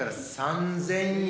３，０００円。